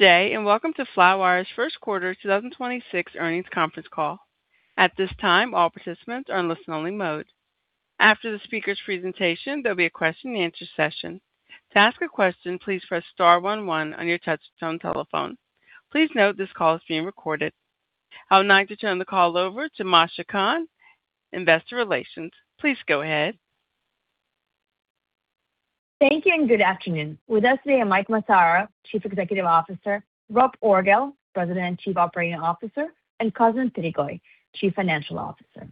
Welcome to Flywire's first quarter 2026 earnings conference call. At this time, all participants are in listen-only mode. After the speaker's presentation, there will be a question and answer session. To ask a question, please press star 11 on your touch-tone telephone. Please note this call is being recorded. I would now like to turn the call over to Masha Kahn, Investor Relations. Please go ahead. Thank you. Good afternoon. With us today are Mike Massaro, Chief Executive Officer, Rob Orgel, President and Chief Operating Officer, and Cosmin Pitigoi, Chief Financial Officer.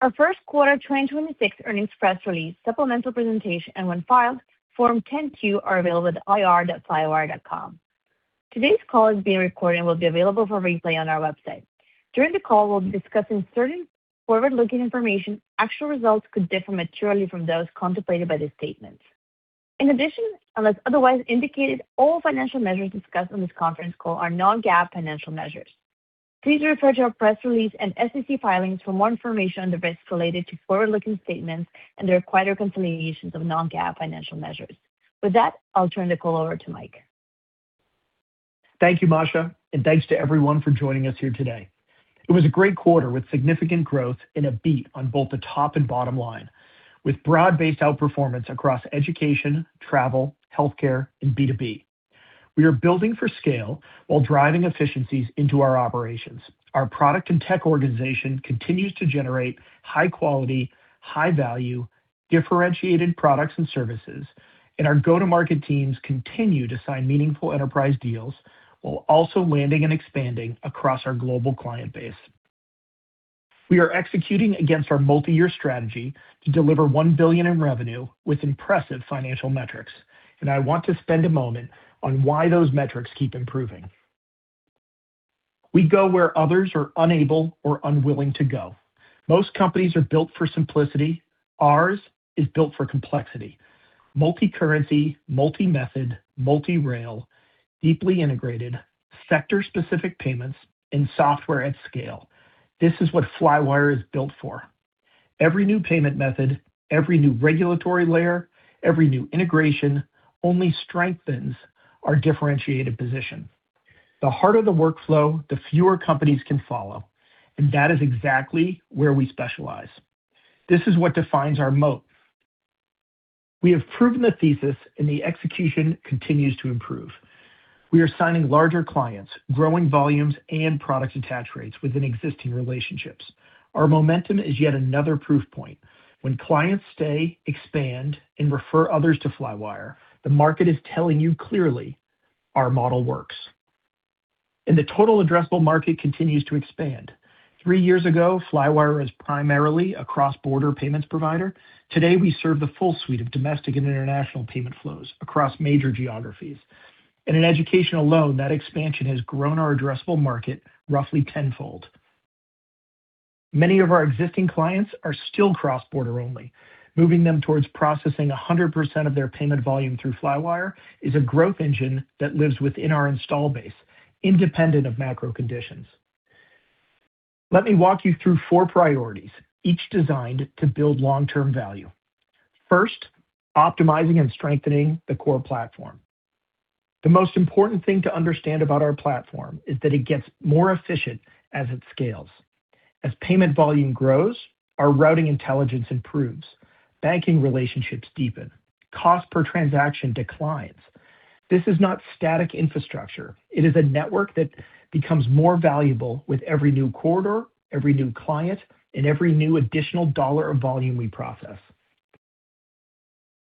Our first quarter 2026 earnings press release, supplemental presentation, and when filed, Form 10-Q are available at ir.flywire.com. Today's call is being recorded and will be available for replay on our website. During the call, we'll be discussing certain forward-looking information. Actual results could differ materially from those contemplated by these statements. Unless otherwise indicated, all financial measures discussed on this conference call are non-GAAP financial measures. Please refer to our press release and SEC filings for more information on the risks related to forward-looking statements and their required reconciliations of non-GAAP financial measures. With that, I'll turn the call over to Mike. Thank you, Masha, and thanks to everyone for joining us here today. It was a great quarter with significant growth and a beat on both the top and bottom line, with broad-based outperformance across education, travel, healthcare, and B2B. We are building for scale while driving efficiencies into our operations. Our product and tech organization continues to generate high quality, high value, differentiated products and services, and our go-to-market teams continue to sign meaningful enterprise deals while also landing and expanding across our global client base. We are executing against our multi-year strategy to deliver $1 billion in revenue with impressive financial metrics. I want to spend a moment on why those metrics keep improving. We go where others are unable or unwilling to go. Most companies are built for simplicity. Ours is built for complexity: multi-currency, multi-method, multi-rail, deeply integrated, sector-specific payments and software at scale. This is what Flywire is built for. Every new payment method, every new regulatory layer, every new integration only strengthens our differentiated position. The harder the workflow, the fewer companies can follow, and that is exactly where we specialize. This is what defines our moat. We have proven the thesis, and the execution continues to improve. We are signing larger clients, growing volumes and product attach rates within existing relationships. Our momentum is yet another proof point. When clients stay, expand, and refer others to Flywire, the market is telling you clearly our model works. The total addressable market continues to expand. Three years ago, Flywire was primarily a cross-border payments provider. Today, we serve the full suite of domestic and international payment flows across major geographies. In education alone, that expansion has grown our addressable market roughly tenfold. Many of our existing clients are still cross-border only. Moving them towards processing 100% of their payment volume through Flywire is a growth engine that lives within our install base independent of macro conditions. Let me walk you through four priorities, each designed to build long-term value. First, optimizing and strengthening the core platform. The most important thing to understand about our platform is that it gets more efficient as it scales. As payment volume grows, our routing intelligence improves, banking relationships deepen, cost per transaction declines. This is not static infrastructure. It is a network that becomes more valuable with every new corridor, every new client, and every new additional dollar of volume we process.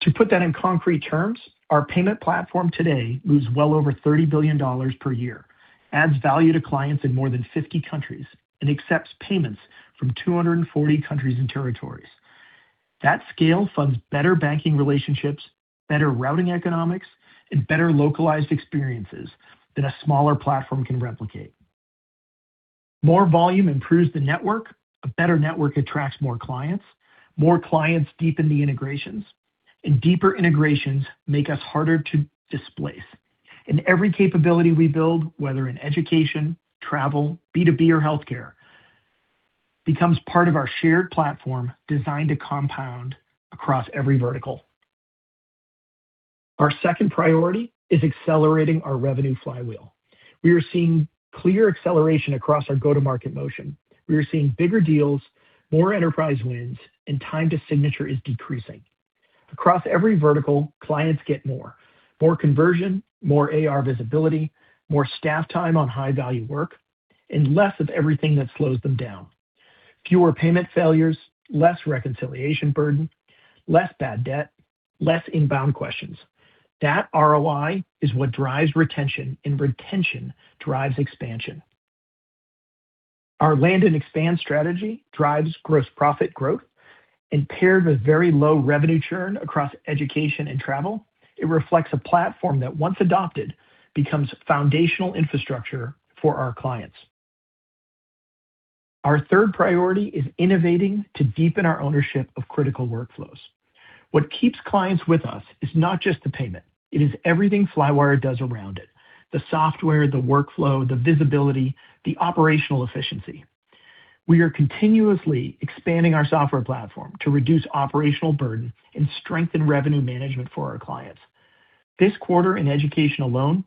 To put that in concrete terms, our payment platform today moves well over $30 billion per year, adds value to clients in more than 50 countries, and accepts payments from 240 countries and territories. That scale funds better banking relationships, better routing economics, and better localized experiences than a smaller platform can replicate. More volume improves the network. A better network attracts more clients. More clients deepen the integrations, and deeper integrations make us harder to displace. Every capability we build, whether in education, travel, B2B, or healthcare, becomes part of our shared platform designed to compound across every vertical. Our second priority is accelerating our revenue flywheel. We are seeing clear acceleration across our go-to-market motion. We are seeing bigger deals, more enterprise wins, and time to signature is decreasing. Across every vertical, clients get more. More conversion, more AR visibility, more staff time on high-value work, and less of everything that slows them down. Fewer payment failures, less reconciliation burden, less bad debt, less inbound questions. That ROI is what drives retention, and retention drives expansion. Our land and expand strategy drives gross profit growth and paired with very low revenue churn across education and travel. It reflects a platform that, once adopted, becomes foundational infrastructure for our clients. Our third priority is innovating to deepen our ownership of critical workflows. What keeps clients with us is not just the payment. It is everything Flywire does around it. The software, the workflow, the visibility, the operational efficiency. We are continuously expanding our software platform to reduce operational burden and strengthen revenue management for our clients. This quarter in education alone,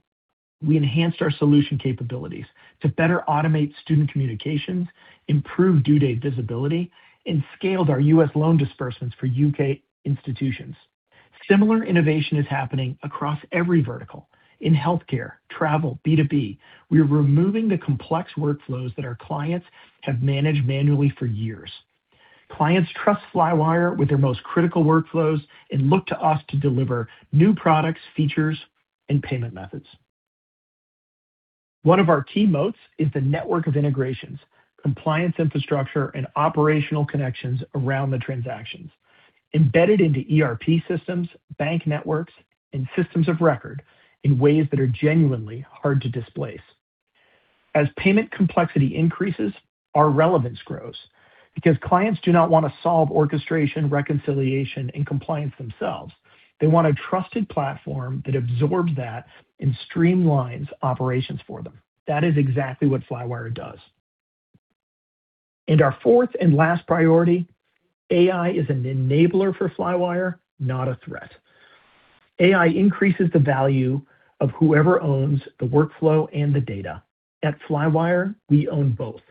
we enhanced our solution capabilities to better automate student communications, improve due date visibility, and scaled our U.S. loan disbursements for U.K. institutions. Similar innovation is happening across every vertical. In healthcare, travel, B2B, we are removing the complex workflows that our clients have managed manually for years. Clients trust Flywire with their most critical workflows and look to us to deliver new products, features, and payment methods. One of our key moats is the network of integrations, compliance infrastructure, and operational connections around the transactions embedded into ERP systems, bank networks, and systems of record in ways that are genuinely hard to displace. As payment complexity increases, our relevance grows because clients do not want to solve orchestration, reconciliation, and compliance themselves. They want a trusted platform that absorbs that and streamlines operations for them. That is exactly what Flywire does. Our fourth and last priority, AI is an enabler for Flywire, not a threat. AI increases the value of whoever owns the workflow and the data. At Flywire, we own both.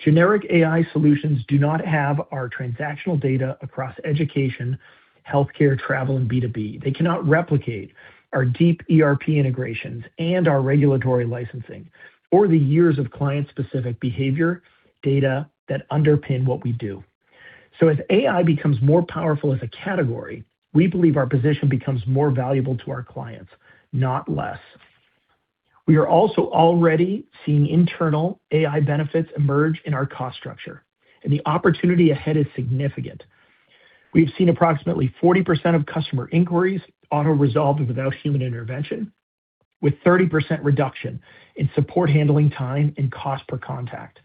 Generic AI solutions do not have our transactional data across education, healthcare, travel, and B2B. They cannot replicate our deep ERP integrations and our regulatory licensing or the years of client-specific behavior data that underpin what we do. As AI becomes more powerful as a category, we believe our position becomes more valuable to our clients, not less. We are also already seeing internal AI benefits emerge in our cost structure, and the opportunity ahead is significant. We've seen approximately 40% of customer inquiries auto-resolved without human intervention, with 30% reduction in support handling time and cost per contact.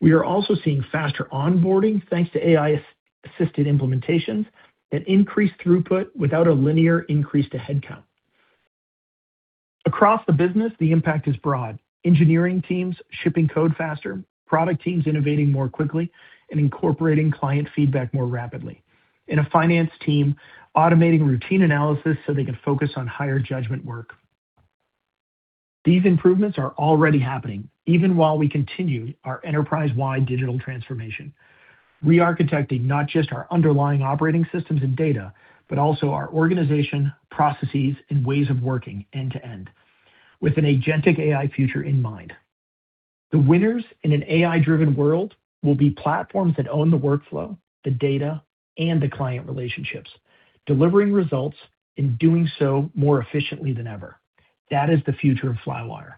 We are also seeing faster onboarding thanks to AI-assisted implementations that increase throughput without a linear increase to headcount. Across the business, the impact is broad. Engineering teams shipping code faster, product teams innovating more quickly and incorporating client feedback more rapidly. A finance team automating routine analysis so they can focus on higher judgment work. These improvements are already happening even while we continue our enterprise-wide digital transformation. Re-architecting not just our underlying operating systems and data, but also our organization, processes, and ways of working end to end with an agentic AI future in mind. The winners in an AI-driven world will be platforms that own the workflow, the data, and the client relationships, delivering results and doing so more efficiently than ever. That is the future of Flywire.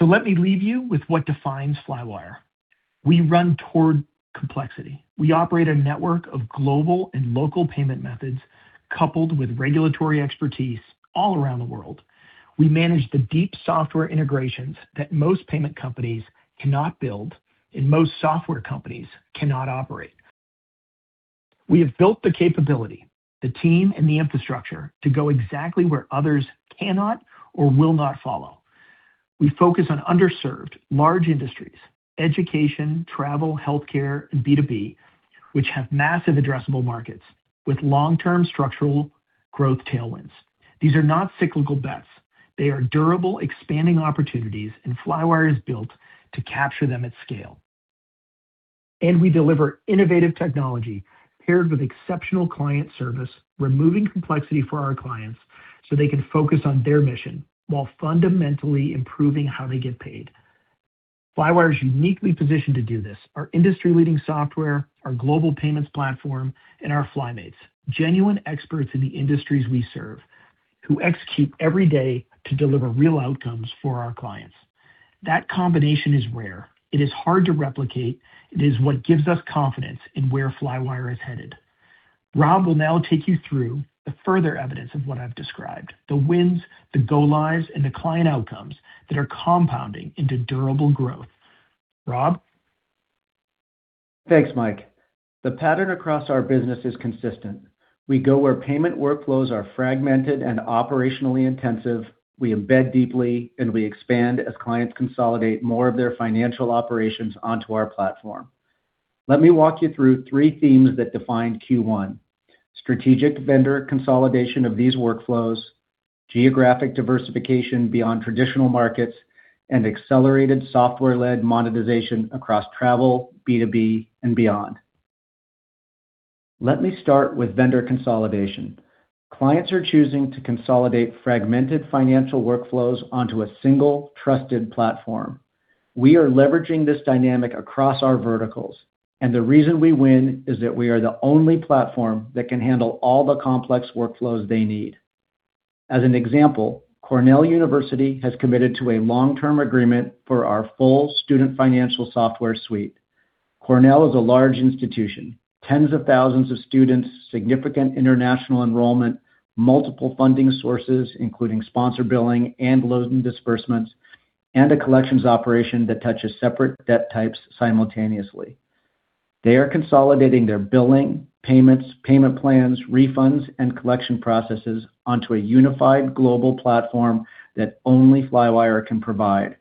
Let me leave you with what defines Flywire. We run toward complexity. We operate a network of global and local payment methods coupled with regulatory expertise all around the world. We manage the deep software integrations that most payment companies cannot build and most software companies cannot operate. We have built the capability, the team, and the infrastructure to go exactly where others cannot or will not follow. We focus on underserved large industries, education, travel, healthcare, and B2B, which have massive addressable markets with long-term structural growth tailwinds. These are not cyclical bets. They are durable, expanding opportunities, and Flywire is built to capture them at scale. We deliver innovative technology paired with exceptional client service, removing complexity for our clients so they can focus on their mission while fundamentally improving how they get paid. Flywire is uniquely positioned to do this. Our industry-leading software, our global payments platform, and our Flymates, genuine experts in the industries we serve, who execute every day to deliver real outcomes for our clients. That combination is rare. It is hard to replicate. It is what gives us confidence in where Flywire is headed. Rob will now take you through the further evidence of what I've described, the wins, the go lives, and the client outcomes that are compounding into durable growth. Rob? Thanks, Mike. The pattern across our business is consistent. We go where payment workflows are fragmented and operationally intensive, we embed deeply, and we expand as clients consolidate more of their financial operations onto our platform. Let me walk you through three themes that define Q1: strategic vendor consolidation of these workflows, geographic diversification beyond traditional markets, accelerated software-led monetization across travel, B2B, and beyond. Let me start with vendor consolidation. Clients are choosing to consolidate fragmented financial workflows onto a single trusted platform. We are leveraging this dynamic across our verticals, the reason we win is that we are the only platform that can handle all the complex workflows they need. As an example, Cornell University has committed to a long-term agreement for our full Student Financial Software Suite. Cornell is a large institution, tens of thousands of students, significant international enrollment, multiple funding sources, including sponsor billing and loan disbursements, and a collections operation that touches separate debt types simultaneously. They are consolidating their billing, payments, payment plans, refunds, and collection processes onto a unified global platform that only Flywire can provide.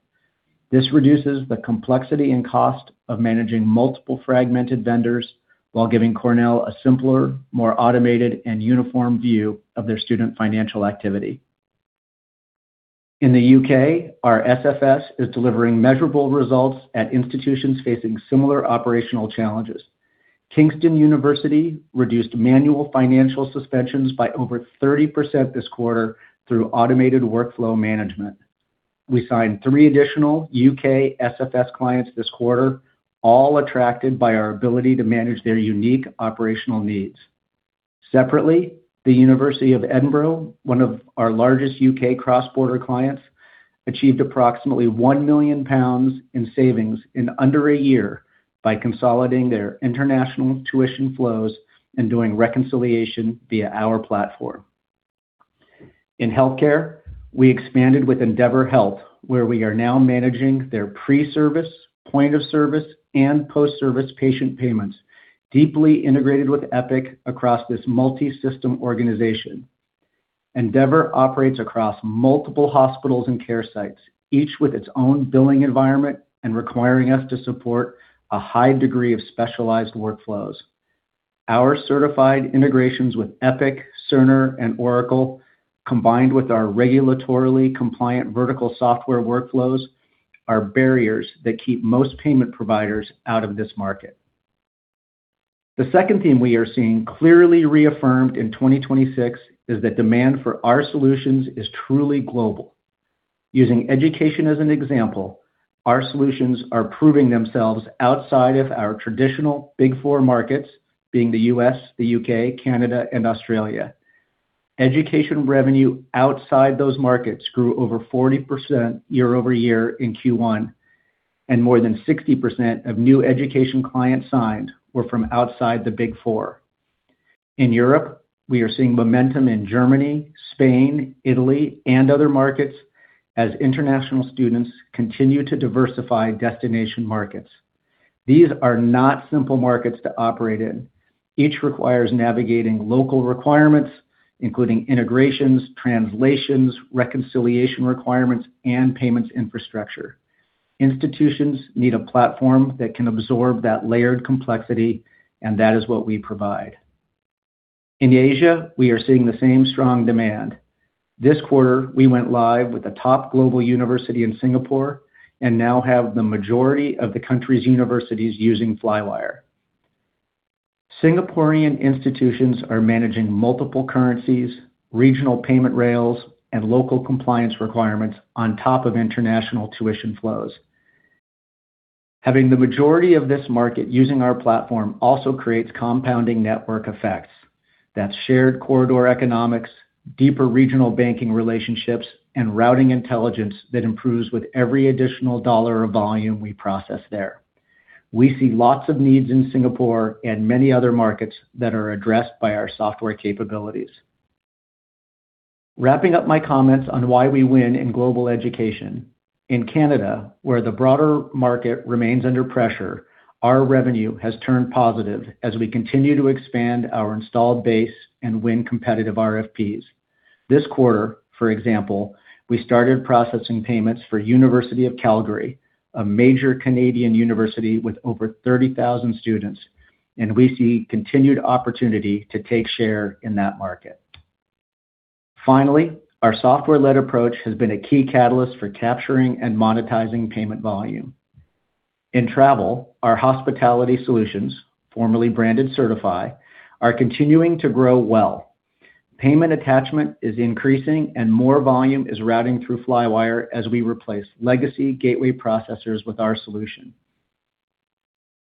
This reduces the complexity and cost of managing multiple fragmented vendors while giving Cornell a simpler, more automated, and uniform view of their student financial activity. In the U.K., our SFS is delivering measurable results at institutions facing similar operational challenges. Kingston University reduced manual financial suspensions by over 30% this quarter through automated workflow management. We signed three additional U.K. SFS clients this quarter, all attracted by our ability to manage their unique operational needs. Separately, the University of Edinburgh, one of our largest U.K. cross-border clients, achieved approximately 1 million pounds in savings in under a year by consolidating their international tuition flows and doing reconciliation via our platform. In healthcare, we expanded with Endeavor Health, where we are now managing their pre-service, point of service, and post-service patient payments, deeply integrated with Epic across this multi-system organization. Endeavor operates across multiple hospitals and care sites, each with its own billing environment and requiring us to support a high degree of specialized workflows. Our certified integrations with Epic, Cerner, and Oracle, combined with our regulatorily compliant vertical software workflows, are barriers that keep most payment providers out of this market. The second theme we are seeing clearly reaffirmed in 2026 is that demand for our solutions is truly global. Using education as an example, our solutions are proving themselves outside of our traditional Big Four markets, being the U.S., the U.K., Canada, and Australia. Education revenue outside those markets grew over 40% year-over-year in Q1, and more than 60% of new education clients signed were from outside the Big Four. In Europe, we are seeing momentum in Germany, Spain, Italy, and other markets as international students continue to diversify destination markets. These are not simple markets to operate in. Each requires navigating local requirements, including integrations, translations, reconciliation requirements, and payments infrastructure. Institutions need a platform that can absorb that layered complexity, and that is what we provide. In Asia, we are seeing the same strong demand. This quarter, we went live with a top global university in Singapore and now have the majority of the country's universities using Flywire. Singaporean institutions are managing multiple currencies, regional payment rails, and local compliance requirements on top of international tuition flows. Having the majority of this market using our platform also creates compounding network effects. That's shared corridor economics, deeper regional banking relationships, and routing intelligence that improves with every additional dollar of volume we process there. We see lots of needs in Singapore and many other markets that are addressed by our software capabilities. Wrapping up my comments on why we win in global education. In Canada, where the broader market remains under pressure, our revenue has turned positive as we continue to expand our installed base and win competitive RFPs. This quarter, for example, we started processing payments for University of Calgary, a major Canadian university with over 30,000 students, and we see continued opportunity to take share in that market. Finally, our software-led approach has been a key catalyst for capturing and monetizing payment volume. In travel, our hospitality solutions, formerly branded Sertifi, are continuing to grow well. Payment attachment is increasing and more volume is routing through Flywire as we replace legacy gateway processors with our solution.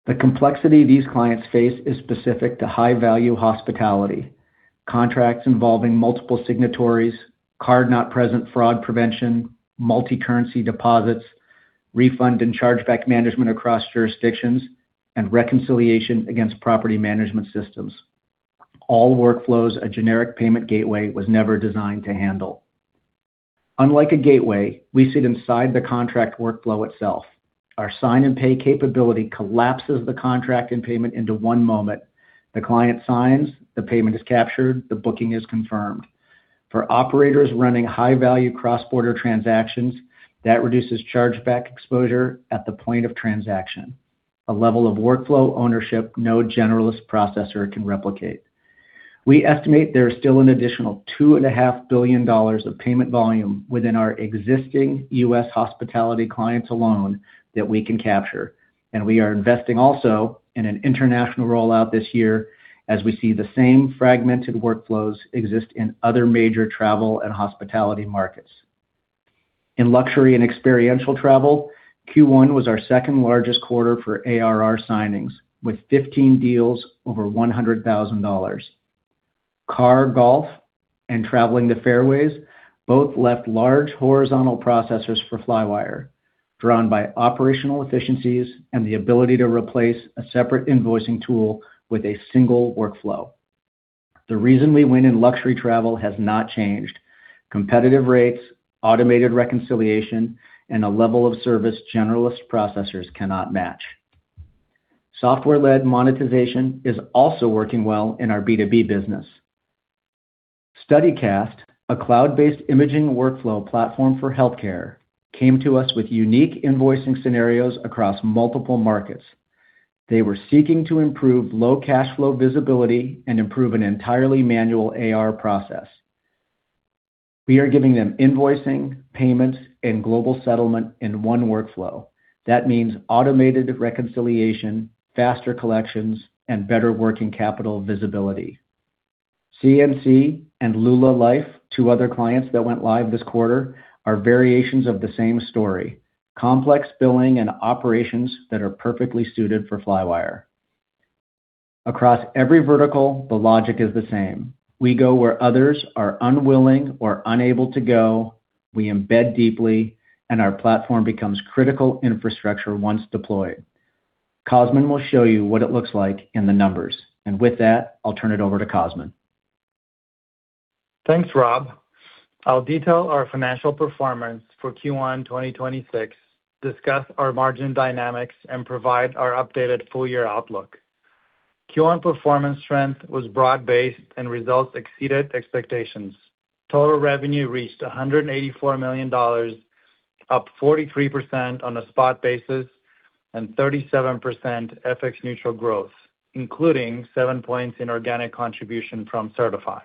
The complexity these clients face is specific to high-value hospitality. Contracts involving multiple signatories, card not present fraud prevention, multi-currency deposits, refund and chargeback management across jurisdictions, and reconciliation against property management systems. All workflows a generic payment gateway was never designed to handle. Unlike a gateway, we sit inside the contract workflow itself. Our sign and pay capability collapses the contract and payment into one moment. The client signs, the payment is captured, the booking is confirmed. For operators running high-value cross-border transactions, that reduces chargeback exposure at the point of transaction, a level of workflow ownership no generalist processor can replicate. We estimate there is still an additional two and a half billion dollars of payment volume within our existing U.S. hospitality clients alone that we can capture. We are investing also in an international rollout this year as we see the same fragmented workflows exist in other major travel and hospitality markets. In luxury and experiential travel, Q1 was our second-largest quarter for ARR signings, with 15 deals over $100,000. Carr Golf and Travelling The Fairways both left large horizontal processors for Flywire, drawn by operational efficiencies and the ability to replace a separate invoicing tool with a single workflow. The reason we win in luxury travel has not changed. Competitive rates, automated reconciliation, and a level of service generalist processors cannot match. Software-led monetization is also working well in our B2B business. Studycast, a cloud-based imaging workflow platform for healthcare, came to us with unique invoicing scenarios across multiple markets. They were seeking to improve low cash flow visibility and improve an entirely manual AR process. We are giving them invoicing, payments, and global settlement in one workflow. That means automated reconciliation, faster collections, and better working capital visibility. CMC and Lula Life, two other clients that went live this quarter, are variations of the same story, complex billing and operations that are perfectly suited for Flywire. Across every vertical, the logic is the same. We go where others are unwilling or unable to go, we embed deeply, and our platform becomes critical infrastructure once deployed. Cosmin will show you what it looks like in the numbers. With that, I'll turn it over to Cosmin. Thanks, Rob. I'll detail our financial performance for Q1 2026, discuss our margin dynamics, and provide our updated full-year outlook. Q1 performance strength was broad-based and results exceeded expectations. Total revenue reached $184 million, up 43% on a spot basis and 37% FX neutral growth, including seven points in organic contribution from Sertifi.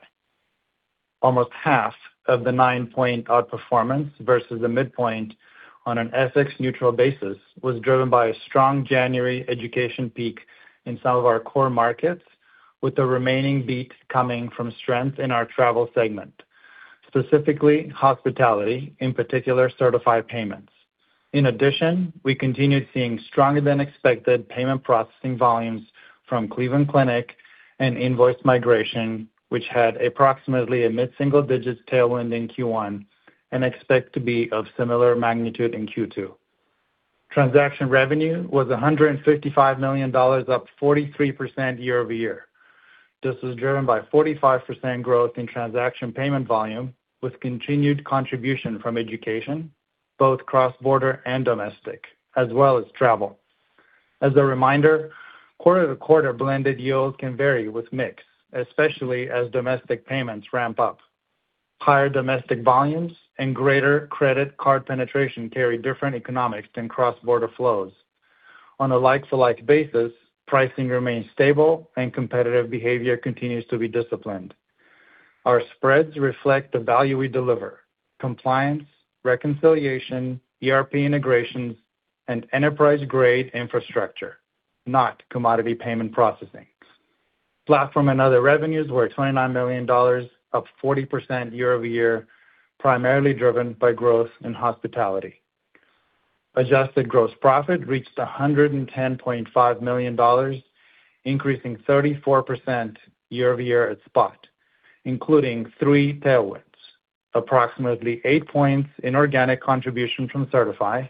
Almost half of the nine-point outperformance versus the midpoint on an FX neutral basis was driven by a strong January education peak in some of our core markets, with the remaining beat coming from strength in our travel segment, specifically hospitality, in particular, Sertifi payments. In addition, we continued seeing stronger-than-expected payment processing volumes from Cleveland Clinic and invoice migration, which had approximately a mid-single digits tailwind in Q1 and expect to be of similar magnitude in Q2. Transaction revenue was $155 million, up 43% year-over-year. This was driven by 45% growth in transaction payment volume, with continued contribution from education, both cross-border and domestic, as well as travel. As a reminder, quarter-to-quarter blended yields can vary with mix, especially as domestic payments ramp up. Higher domestic volumes and greater credit card penetration carry different economics than cross-border flows. On a like-to-like basis, pricing remains stable and competitive behavior continues to be disciplined. Our spreads reflect the value we deliver, compliance, reconciliation, ERP integrations, and enterprise-grade infrastructure, not commodity payment processing. Platform and other revenues were $29 million, up 40% year-over-year, primarily driven by growth in hospitality. Adjusted gross profit reached $110.5 million, increasing 34% year-over-year at spot, including three tailwinds. Approximately eight points in organic contribution from Sertifi,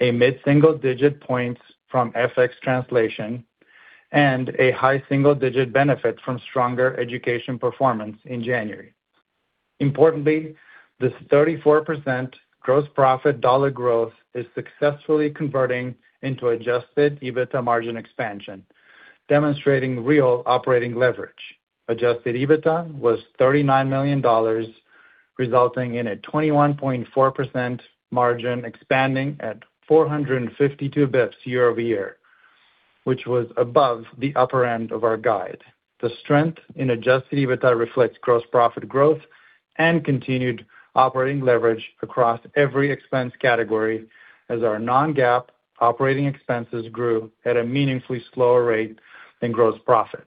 a mid-single-digit points from FX translation, and a high single-digit benefit from stronger education performance in January. Importantly, this 34% gross profit dollar growth is successfully converting into adjusted EBITDA margin expansion, demonstrating real operating leverage. Adjusted EBITDA was $39 million, resulting in a 21.4% margin expanding at 452 basis points year-over-year, which was above the upper end of our guide. The strength in adjusted EBITDA reflects gross profit growth and continued operating leverage across every expense category as our non-GAAP operating expenses grew at a meaningfully slower rate than gross profit.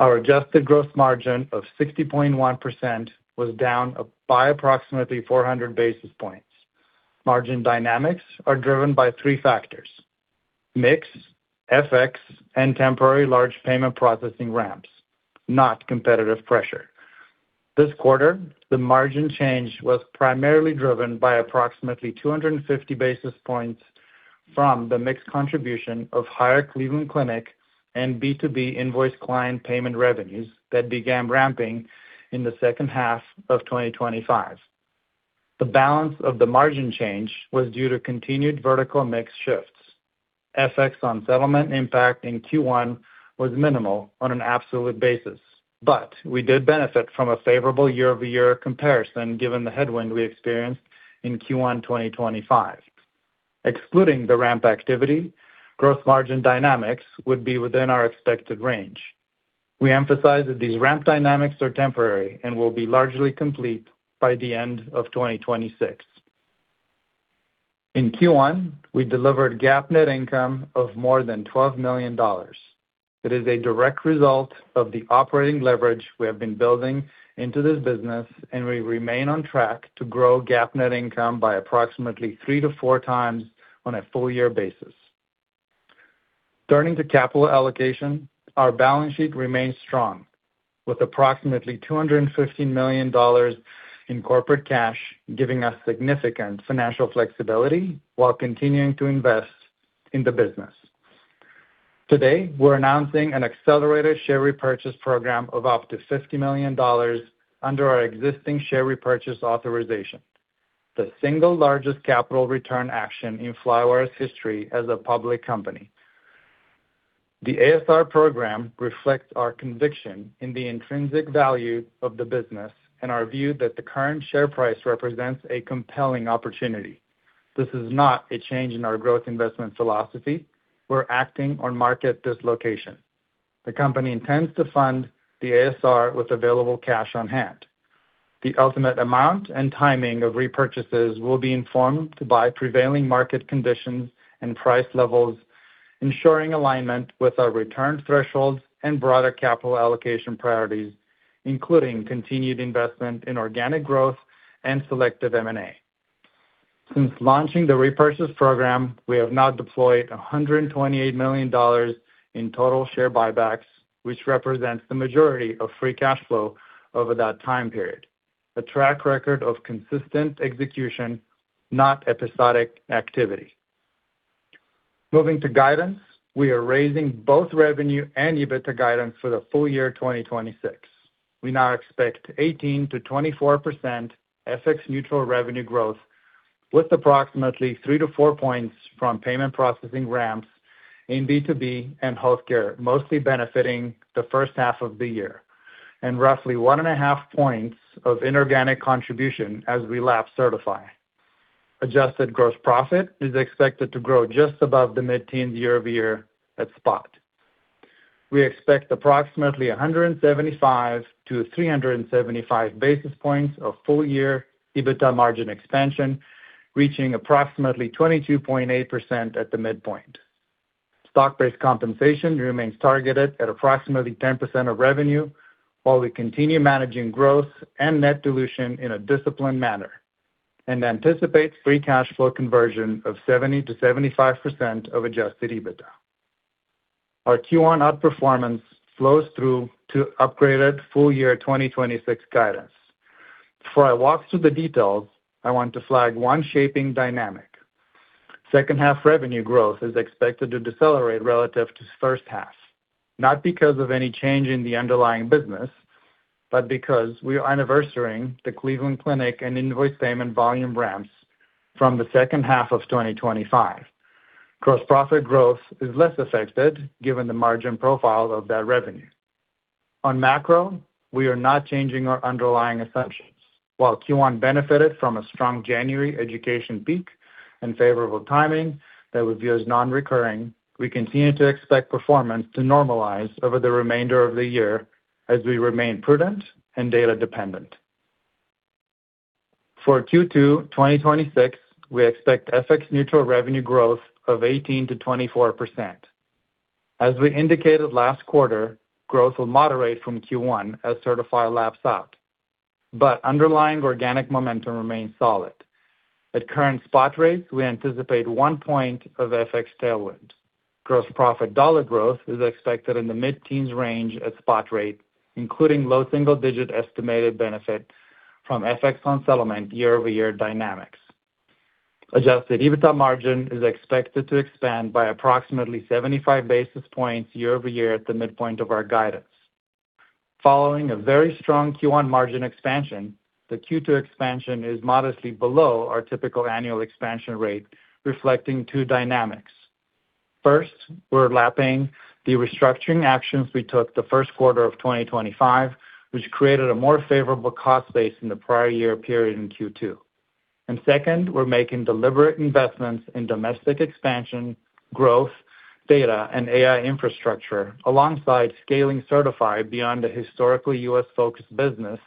Our adjusted gross margin of 60.1% was down by approximately 400 basis points. Margin dynamics are driven by three factors: mix, FX, and temporary large payment processing ramps, not competitive pressure. This quarter, the margin change was primarily driven by approximately 250 basis points from the mix contribution of higher Cleveland Clinic and B2B invoice client payment revenues that began ramping in the second half of 2025. The balance of the margin change was due to continued vertical mix shifts. FX on settlement impact in Q1 was minimal on an absolute basis, but we did benefit from a favorable year-over-year comparison given the headwind we experienced in Q1 2025. Excluding the ramp activity, growth margin dynamics would be within our expected range. We emphasize that these ramp dynamics are temporary and will be largely complete by the end of 2026. In Q1, we delivered GAAP net income of more than $12 million. It is a direct result of the operating leverage we have been building into this business. We remain on track to grow GAAP net income by approximately three to four times on a full year basis. Turning to capital allocation, our balance sheet remains strong, with approximately $250 million in corporate cash, giving us significant financial flexibility while continuing to invest in the business. Today, we're announcing an accelerated share repurchase program of up to $50 million under our existing share repurchase authorization, the single largest capital return action in Flywire's history as a public company. The ASR program reflects our conviction in the intrinsic value of the business and our view that the current share price represents a compelling opportunity. This is not a change in our growth investment philosophy. We're acting on market dislocation. The company intends to fund the ASR with available cash on hand. The ultimate amount and timing of repurchases will be informed by prevailing market conditions and price levels, ensuring alignment with our return thresholds and broader capital allocation priorities, including continued investment in organic growth and selective M&A. Since launching the repurchase program, we have now deployed $128 million in total share buybacks, which represents the majority of free cash flow over that time period. A track record of consistent execution, not episodic activity. Moving to guidance, we are raising both revenue and EBITDA guidance for the full year 2026. We now expect 18%-24% FX neutral revenue growth with approximately three to four points from payment processing ramps in B2B and healthcare, mostly benefiting the first half of the year, and roughly 1.5 points of inorganic contribution as we lap Sertifi. Adjusted gross profit is expected to grow just above the mid-teen year-over-year at spot. We expect approximately 175 basis points-375 basis points of full year EBITDA margin expansion, reaching approximately 22.8% at the midpoint. Stock-based compensation remains targeted at approximately 10% of revenue, while we continue managing growth and net dilution in a disciplined manner and anticipates free cash flow conversion of 70%-75% of adjusted EBITDA. Our Q1 outperformance flows through to upgraded full year 2026 guidance. Before I walk through the details, I want to flag one shaping dynamic. Second half revenue growth is expected to decelerate relative to first half, not because of any change in the underlying business, but because we are anniversarying the Cleveland Clinic and invoice payment volume ramps from the second half of 2025. Gross profit growth is less affected given the margin profile of that revenue. On macro, we are not changing our underlying assumptions. While Q1 benefited from a strong January education peak and favorable timing that we view as non-recurring, we continue to expect performance to normalize over the remainder of the year as we remain prudent and data dependent. For Q2 2026, we expect FX neutral revenue growth of 18%-24%. As we indicated last quarter, growth will moderate from Q1 as Sertifi laps out, but underlying organic momentum remains solid. At current spot rates, we anticipate one point of FX tailwind. Gross profit dollar growth is expected in the mid-teen range at spot rate, including low single-digit estimated benefit from FX on settlement year-over-year dynamics. Adjusted EBITDA margin is expected to expand by approximately 75 basis points year-over-year at the midpoint of our guidance. Following a very strong Q1 margin expansion, the Q2 expansion is modestly below our typical annual expansion rate, reflecting two dynamics. First, we're lapping the restructuring actions we took the first quarter of 2025, which created a more favorable cost base in the prior year period in Q2. Second, we're making deliberate investments in domestic expansion, growth, data, and AI infrastructure alongside scaling Sertifi beyond the historically U.S.-focused business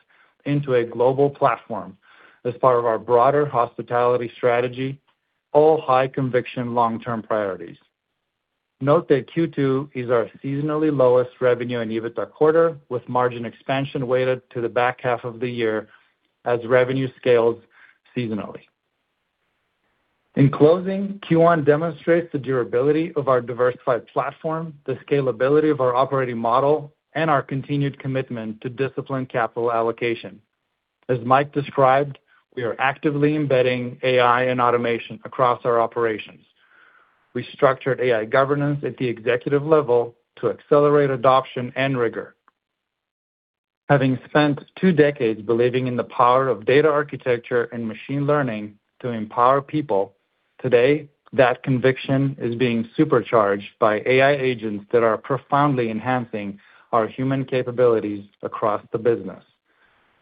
into a global platform as part of our broader hospitality strategy, all high conviction long-term priorities. Note that Q2 is our seasonally lowest revenue and EBITDA quarter, with margin expansion weighted to the back half of the year as revenue scales seasonally. In closing, Q1 demonstrates the durability of our diversified platform, the scalability of our operating model, and our continued commitment to disciplined capital allocation. As Mike described, we are actively embedding AI and automation across our operations. We structured AI governance at the executive level to accelerate adoption and rigor. Having spent two decades believing in the power of data architecture and machine learning to empower people, today, that conviction is being supercharged by AI agents that are profoundly enhancing our human capabilities across the business.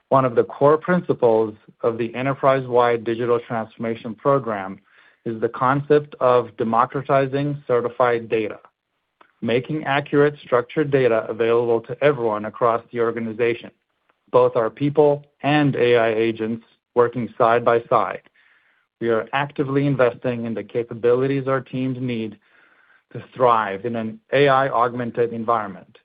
One of the core principles of the enterprise-wide digital transformation program is the concept of democratizing certified data, making accurate structured data available to everyone across the organization, both our people and AI agents working side by side. We are actively investing in the capabilities our teams need to thrive in an AI-augmented environment,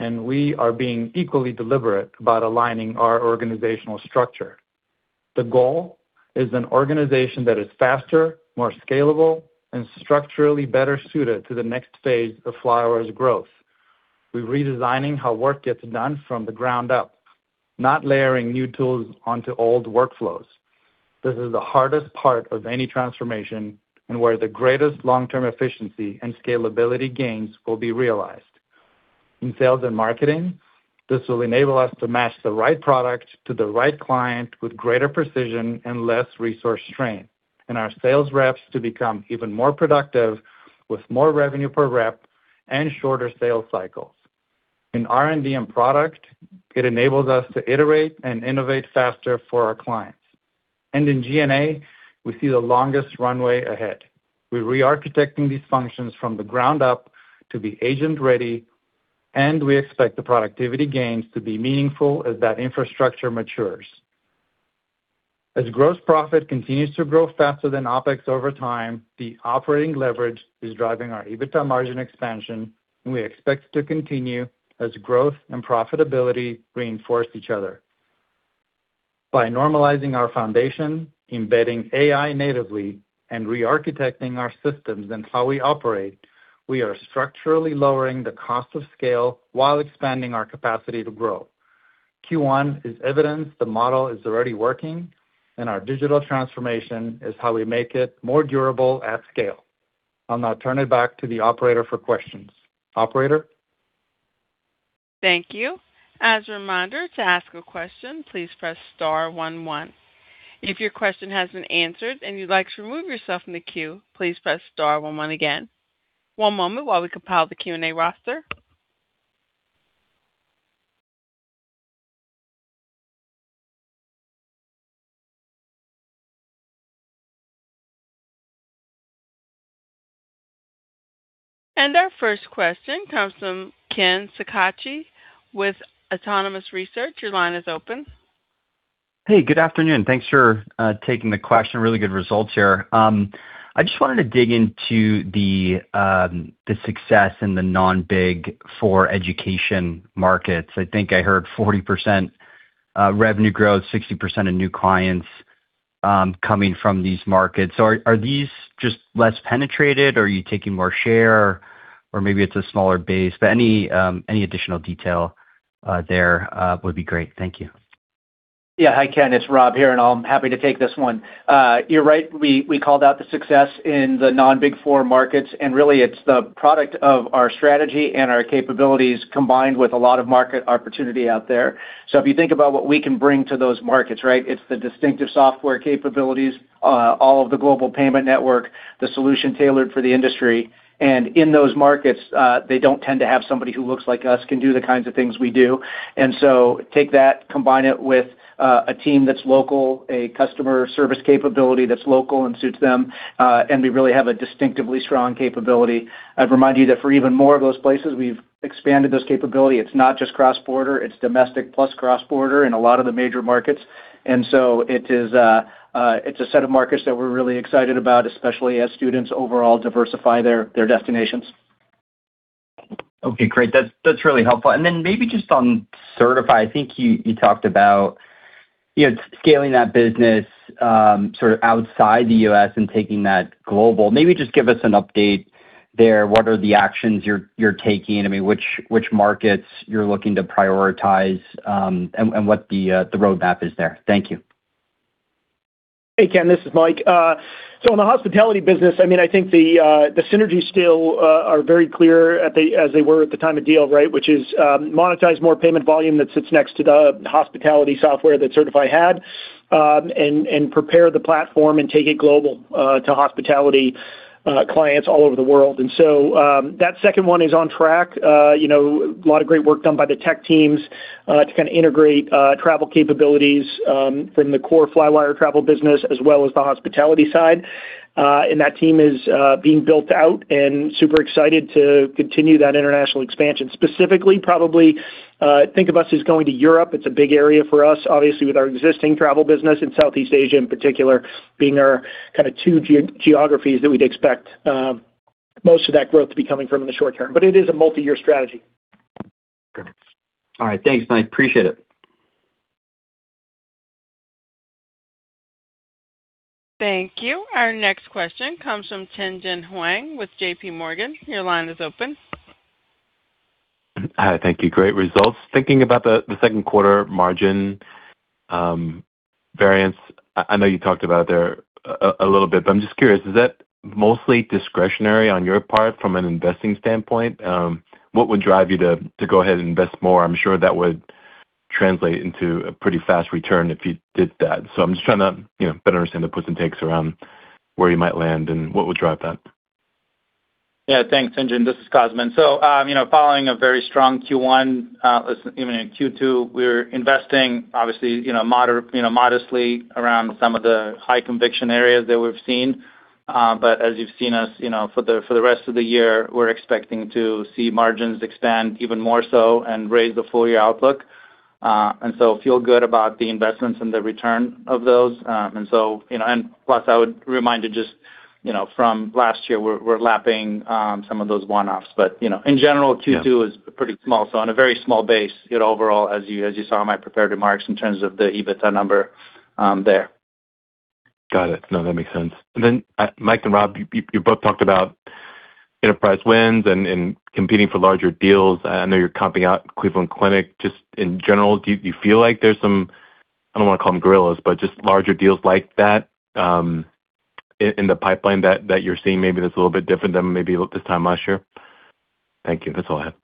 and we are being equally deliberate about aligning our organizational structure. The goal is an organization that is faster, more scalable, and structurally better suited to the next phase of Flywire's growth. We're redesigning how work gets done from the ground up, not layering new tools onto old workflows. This is the hardest part of any transformation and where the greatest long-term efficiency and scalability gains will be realized. In sales and marketing, this will enable us to match the right product to the right client with greater precision and less resource strain, and our sales reps to become even more productive with more revenue per rep and shorter sales cycles. In R&D and product, it enables us to iterate and innovate faster for our clients. In G&A, we see the longest runway ahead. We're re-architecting these functions from the ground up to be agent-ready, and we expect the productivity gains to be meaningful as that infrastructure matures. As gross profit continues to grow faster than OpEx over time, the operating leverage is driving our EBITDA margin expansion, and we expect to continue as growth and profitability reinforce each other. By normalizing our foundation, embedding AI natively, and re-architecting our systems and how we operate, we are structurally lowering the cost of scale while expanding our capacity to grow. Q1 is evidence the model is already working, and our digital transformation is how we make it more durable at scale. I'll now turn it back to the operator for questions. Operator? Thank you. As a reminder, to ask a question, please press star one one. If your question has been answered and you'd like to remove yourself from the queue, please press star one one again. One moment while we compile the Q&A roster. Our first question comes from Ken Suchoski with Autonomous Research. Your line is open. Hey, good afternoon. Thanks for taking the question. Really good results here. I just wanted to dig into the success in the non-Big Four education markets. I think I heard 40% revenue growth, 60% of new clients coming from these markets. Are these just less penetrated? Are you taking more share? Maybe it's a smaller base, but any additional detail there would be great. Thank you. Yeah. Hi, Ken. It's Rob here, and I'm happy to take this one. You're right, we called out the success in the non-Big Four markets, and really, it's the product of our strategy and our capabilities combined with a lot of market opportunity out there. If you think about what we can bring to those markets, right? It's the distinctive software capabilities, all of the global payment network, the solution tailored for the industry. In those markets, they don't tend to have somebody who looks like us, can do the kinds of things we do. Take that, combine it with, a team that's local, a customer service capability that's local and suits them, and we really have a distinctively strong capability. I'd remind you that for even more of those places, we've expanded this capability. It's not just cross-border, it's domestic plus cross-border in a lot of the major markets. It's a set of markets that we're really excited about, especially as students overall diversify their destinations. Okay, great. That's really helpful. Then maybe just on Sertifi. I think you talked about, you know, scaling that business, sort of outside the U.S. and taking that global. Maybe just give us an update there. What are the actions you're taking? I mean, which markets you're looking to prioritize, and what the roadmap is there. Thank you. Hey, Ken, this is Mike. In the hospitality business, I mean, I think the synergies still are very clear as they were at the time of deal, right? Which is, monetize more payment volume that sits next to the hospitality software that Sertifi had, and prepare the platform and take it global to hospitality clients all over the world. That second one is on track. You know, a lot of great work done by the tech teams to kind of integrate travel capabilities from the core Flywire travel business as well as the hospitality side. That team is being built out and super excited to continue that international expansion. Specifically, probably, think of us as going to Europe. It's a big area for us, obviously, with our existing travel business in Southeast Asia in particular, being our kind of two geo-geographies that we'd expect most of that growth to be coming from in the short term. It is a multi-year strategy. Okay. All right. Thanks, Mike. Appreciate it. Thank you. Our next question comes from Tien-tsin Huang with JPMorgan. Your line is open. Hi, thank you. Great results. Thinking about the second quarter margin variance, I know you talked about there a little bit. I'm just curious, is that mostly discretionary on your part from an investing standpoint? What would drive you to go ahead and invest more? I'm sure that would translate into a pretty fast return if you did that. I'm just trying to, you know, better understand the puts and takes around where you might land and what would drive that. Thanks, Tien-tsin. This is Cosmin. Following a very strong Q1, even in Q2, we're investing obviously, you know, modestly around some of the high conviction areas that we've seen. As you've seen us, you know, for the rest of the year, we're expecting to see margins expand even more so and raise the full year outlook. Feel good about the investments and the return of those. You know, plus, I would remind you just, you know, from last year, we're lapping some of those one-offs. You know, in general. Yeah. Q2 is pretty small. On a very small base, you know, overall, as you saw in my prepared remarks in terms of the EBITDA number, there. Got it. No, that makes sense. Mike and Rob, you both talked about enterprise wins and competing for larger deals. I know you're comping out Cleveland Clinic. Just in general, do you feel like there's some, I don't wanna call them gorillas, but just larger deals like that, in the pipeline that you're seeing maybe that's a little bit different than maybe this time last year? Thank you. That's all I have.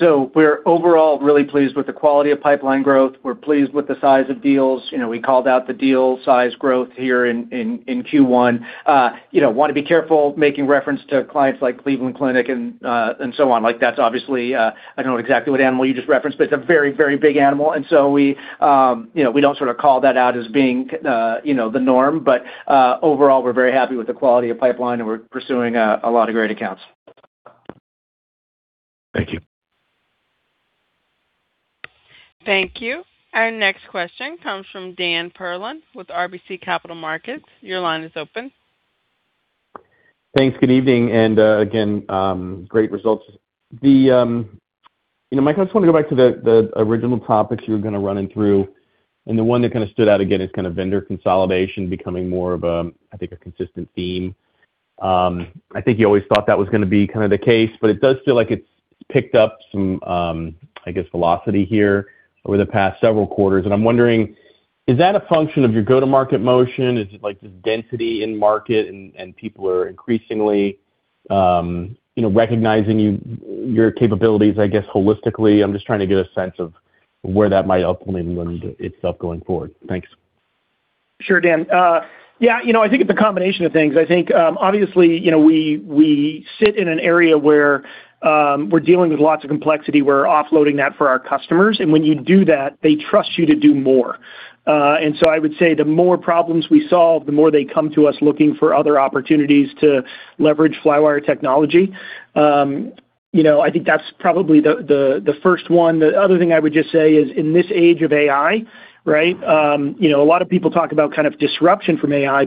We're overall really pleased with the quality of pipeline growth. We're pleased with the size of deals. You know, we called out the deal size growth here in Q1. You know, wanna be careful making reference to clients like Cleveland Clinic and so on. Like, that's obviously, I don't know exactly what animal you just referenced, but it's a very, very big animal. You know, we don't sort of call that out as being, you know, the norm. Overall, we're very happy with the quality of pipeline, and we're pursuing a lot of great accounts. Thank you. Thank you. Our next question comes from Dan Perlin with RBC Capital Markets. Thanks. Good evening. Again, great results. You know, Mike, I just wanna go back to the original topics you were gonna run in through, and the one that kinda stood out again is kinda vendor consolidation becoming more of, I think, a consistent theme. I think you always thought that was gonna be kinda the case, but it does feel like it's picked up some, I guess, velocity here over the past several quarters. I'm wondering, is that a function of your go-to-market motion? Is it, like, just density in market and people are increasingly, you know, recognizing your capabilities, I guess, holistically? I'm just trying to get a sense of where that might ultimately lend itself going forward. Thanks. Sure, Dan. Yeah, you know, I think it's a combination of things. I think, obviously, you know, we sit in an area where we're dealing with lots of complexity. We're offloading that for our customers. When you do that, they trust you to do more. I would say the more problems we solve, the more they come to us looking for other opportunities to leverage Flywire technology. You know, I think that's probably the first one. The other thing I would just say is in this age of AI, right? You know, a lot of people talk about kind of disruption from AI.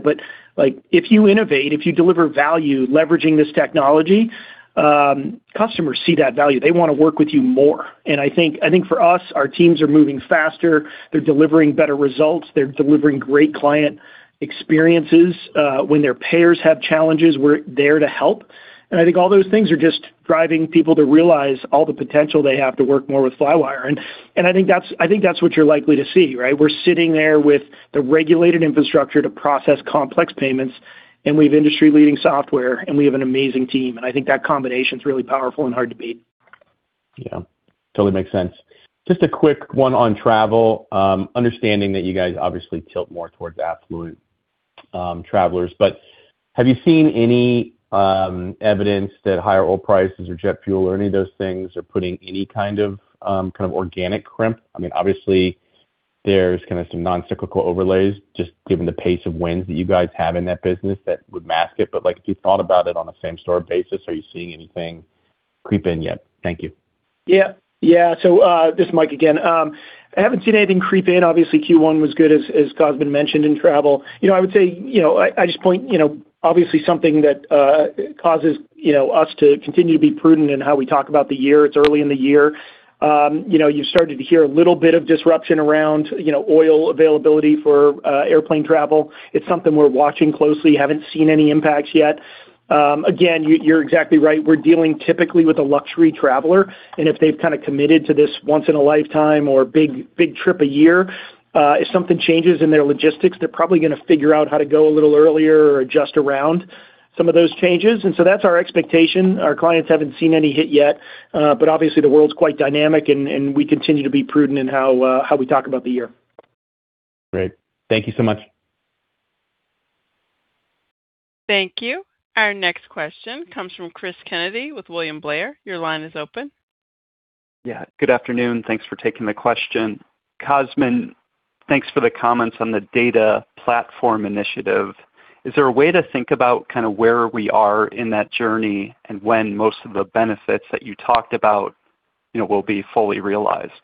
Like, if you innovate, if you deliver value leveraging this technology, customers see that value. They wanna work with you more. I think for us, our teams are moving faster. They're delivering better results. They're delivering great client experiences. When their payers have challenges, we're there to help. I think all those things are just driving people to realize all the potential they have to work more with Flywire. I think that's what you're likely to see, right? We're sitting there with the regulated infrastructure to process complex payments, we have industry-leading software, and we have an amazing team. I think that combination is really powerful and hard to beat. Yeah. Totally makes sense. Just a quick one on travel. Understanding that you guys obviously tilt more towards affluent travelers, but have you seen any evidence that higher oil prices or jet fuel or any of those things are putting any kind of organic crimp? I mean, obviously there's kinda some non-cyclical overlays just given the pace of winds that you guys have in that business that would mask it. Like, if you thought about it on a same-store basis, are you seeing anything creep in yet? Thank you. Yeah. Yeah. This is Mike again. I haven't seen anything creep in. Obviously, Q1 was good, as Cosmin mentioned, in travel. I would say, you know, I just point, you know, obviously something that causes, you know, us to continue to be prudent in how we talk about the year. It's early in the year. You know, you've started to hear a little bit of disruption around, you know, oil availability for airplane travel. It's something we're watching closely. Haven't seen any impacts yet. Again, you're exactly right. We're dealing typically with a luxury traveler, and if they've kinda committed to this once in a lifetime or big trip a year, if something changes in their logistics, they're probably gonna figure out how to go a little earlier or adjust around some of those changes. That's our expectation. Our clients haven't seen any hit yet, obviously the world's quite dynamic and we continue to be prudent in how we talk about the year. Great. Thank you so much. Thank you. Our next question comes from Cris Kennedy with William Blair. Your line is open. Yeah, good afternoon. Thanks for taking the question. Cosmin, thanks for the comments on the Data Platform Initiative. Is there a way to think about kinda where we are in that journey and when most of the benefits that you talked about, you know, will be fully realized?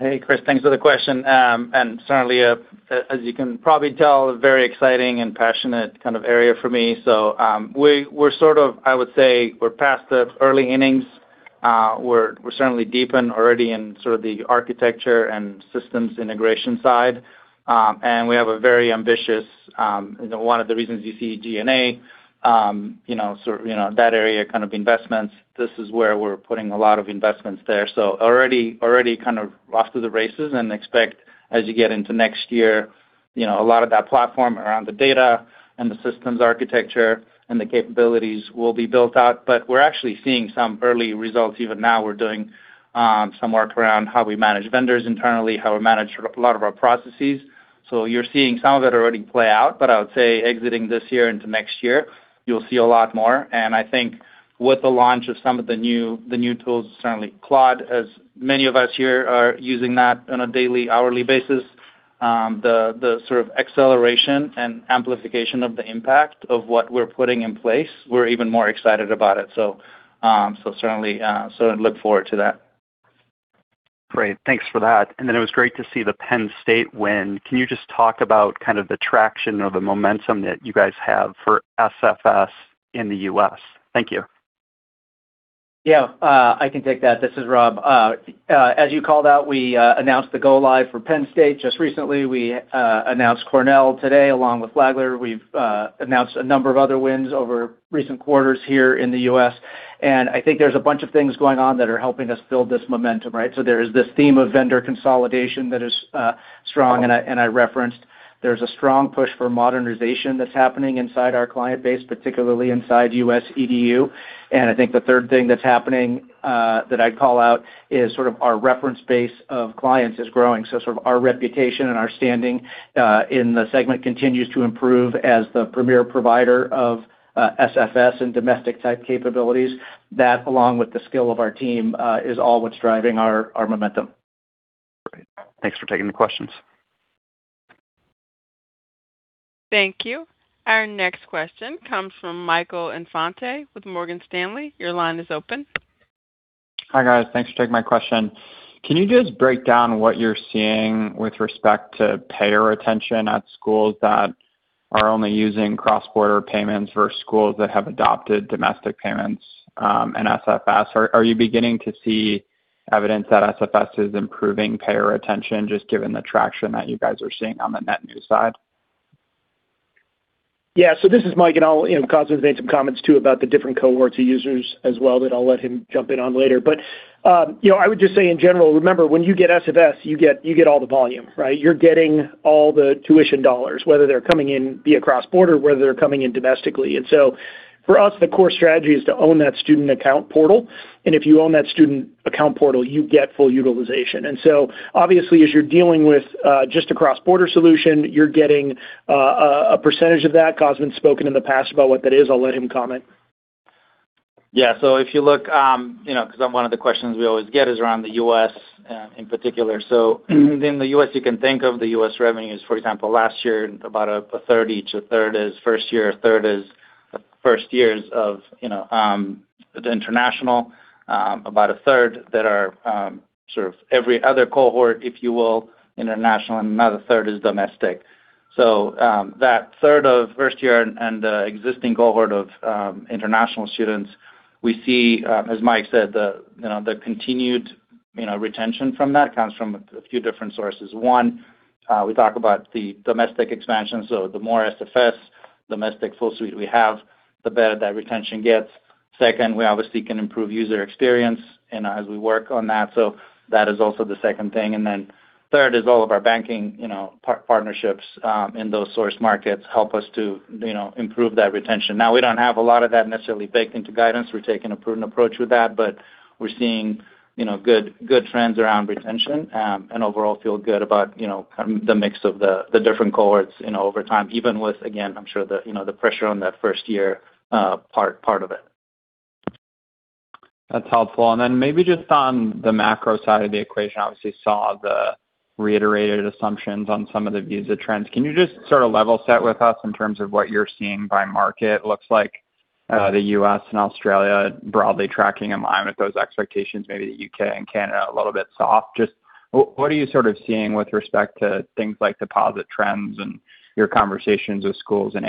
Hey, Cris, thanks for the question. Certainly, as you can probably tell, a very exciting and passionate kind of area for me. We're sort of, I would say we're past the early innings. We're certainly deep in already in sort of the architecture and systems integration side. We have a very ambitious, you know, one of the reasons you see G&A, you know, sort of, you know, that area kind of investments, this is where we're putting a lot of investments there. Already kind of off to the races and expect as you get into next year, you know, a lot of that platform around the data and the systems architecture and the capabilities will be built out. We're actually seeing some early results. Even now, we're doing some work around how we manage vendors internally, how we manage a lot of our processes. You're seeing some of that already play out. I would say exiting this year into next year, you'll see a lot more. I think with the launch of some of the new tools, certainly Claude, as many of us here are using that on a daily, hourly basis, the sort of acceleration and amplification of the impact of what we're putting in place, we're even more excited about it. Certainly, look forward to that. Great. Thanks for that. It was great to see the Penn State win. Can you just talk about kind of the traction or the momentum that you guys have for SFS in the U.S.? Thank you. Yeah, I can take that. This is Rob. As you called out, we announced the go-live for Penn State just recently. We announced Cornell today, along with Flagler. We've announced a number of other wins over recent quarters here in the U.S. I think there's a bunch of things going on that are helping us build this momentum, right? There is this theme of vendor consolidation that is strong, and I referenced. There's a strong push for modernization that's happening inside our client base, particularly inside U.S. EDU. I think the third thing that's happening that I'd call out is sort of our reference base of clients is growing. Sort of our reputation and our standing in the segment continues to improve as the premier provider of SFS and domestic-type capabilities. That, along with the skill of our team, is all what's driving our momentum. Great. Thanks for taking the questions. Thank you. Our next question comes from Michael Infante with Morgan Stanley. Your line is open. Hi, guys. Thanks for taking my question. Can you just break down what you're seeing with respect to payer attention at schools that are only using cross-border payments for schools that have adopted domestic payments and SFS? Are you beginning to see evidence that SFS is improving payer attention, just given the traction that you guys are seeing on the net new side? Yeah. This is Mike, and I'll, you know, Cosmin has made some comments too about the different cohorts of users as well that I'll let him jump in on later. You know, I would just say in general, remember, when you get SFS, you get all the volume, right? You're getting all the tuition dollars, whether they're coming in via cross-border, whether they're coming in domestically. For us, the core strategy is to own that student account portal, and if you own that student account portal, you get full utilization. Obviously, as you're dealing with just a cross-border solution, you're getting a percentage of that. Cosmin has spoken in the past about what that is. I'll let him comment. If you look, you know, because one of the questions we always get is around the U.S., in particular. Within the U.S., you can think of the U.S. revenues, for example, last year, about a third each. A third is first year, a third is first years of, you know, the international. About a third that are, sort of every other cohort, if you will, international, and another third is domestic. That third of first year and the existing cohort of international students, we see, as Mike said, the, you know, the continued, you know, retention from that comes from a few different sources. One, we talk about the domestic expansion. The more SFS domestic full suite we have, the better that retention gets. Second, we obviously can improve user experience and as we work on that. That is also the second thing. Third is all of our banking, you know, partnerships in those source markets help us to, you know, improve that retention. Now we don't have a lot of that necessarily baked into guidance. We're taking a prudent approach with that. We're seeing, you know, good trends around retention, and overall feel good about, you know, kind of the mix of the different cohorts, you know, over time, even with, again, I'm sure the, you know, the pressure on that first year part of it. That's helpful. Then maybe just on the macro side of the equation, obviously saw the reiterated assumptions on some of the visa trends. Can you just sort of level set with us in terms of what you're seeing by market? Looks like the U.S. and Australia broadly tracking in line with those expectations, maybe the U.K. and Canada a little bit soft. Just what are you sort of seeing with respect to things like deposit trends and your conversations with schools and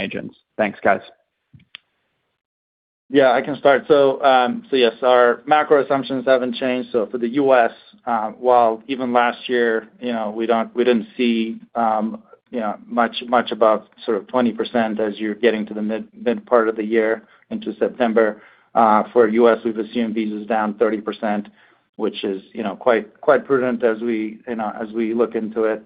agents? Thanks, guys. Yeah, I can start. Yes, our macro assumptions haven't changed. For the U.S., while even last year, you know, we didn't see, you know, much above sort of 20% as you're getting to the mid-part of the year into September. For U.S., we've assumed visas down 30%, which is, you know, quite prudent as we, you know, as we look into it.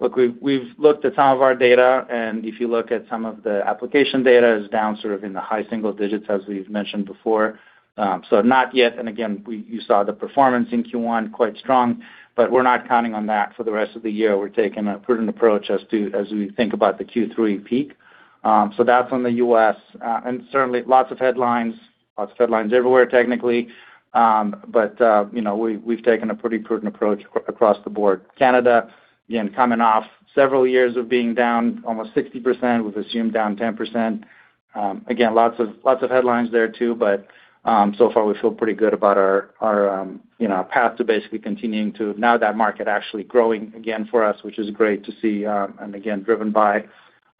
Look, we've looked at some of our data, and if you look at some of the application data is down sort of in the high single digits, as we've mentioned before. Not yet, and again, you saw the performance in Q1, quite strong, but we're not counting on that for the rest of the year. We're taking a prudent approach as we think about the Q3 peak. That's on the U.S., and certainly lots of headlines, lots of headlines everywhere, technically. You know, we've taken a pretty prudent approach across the board. Canada, again, coming off several years of being down almost 60%, we've assumed down 10%. Again, lots of headlines there too, but so far we feel pretty good about our, you know, path to basically continuing to now that market actually growing again for us, which is great to see, and again, driven by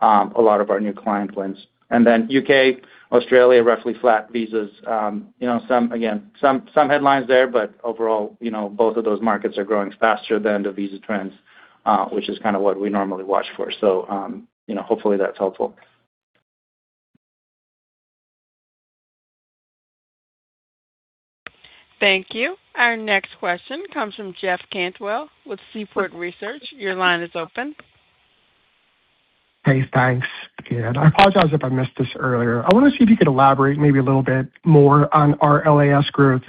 a lot of our new client wins. Then U.K., Australia, roughly flat visas. You know, some again, some headlines there, but overall, you know, both of those markets are growing faster than the visa trends, which is kind of what we normally watch for. You know, hopefully, that's helpful. Thank you. Our next question comes from Jeff Cantwell with Seaport Research. Your line is open. Hey, thanks. I apologize if I missed this earlier. I wanna see if you could elaborate maybe a little bit more on RLAS growth,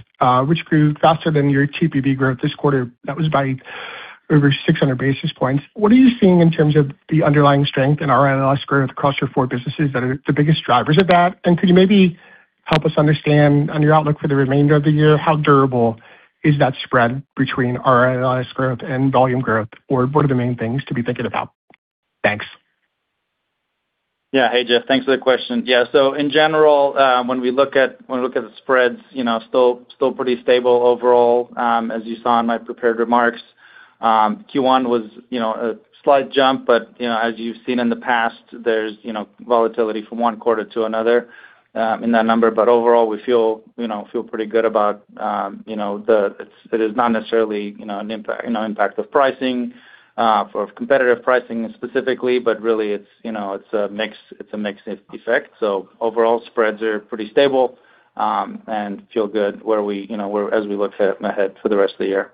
which grew faster than your TPV growth this quarter. That was by over 600 basis points. What are you seeing in terms of the underlying strength in RLAS growth across your four businesses that are the biggest drivers of that? Could you maybe help us understand on your outlook for the remainder of the year, how durable is that spread between RLAS growth and volume growth, or what are the main things to be thinking about? Thanks. Yeah. Hey, Jeff. Thanks for the question. In general, when we look at the spreads, you know, still pretty stable overall, as you saw in my prepared remarks. Q1 was, you know, a slight jump, but, you know, as you've seen in the past, there's, you know, volatility from one quarter to another, in that number. Overall, we feel, you know, feel pretty good about, you know, it's not necessarily, you know, an impact of pricing, for competitive pricing specifically, but really it's, you know, it's a mix, it's a mixed effect. Overall spreads are pretty stable, and feel good where we, you know, as we look ahead for the rest of the year.